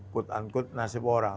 kut an kut nasib orang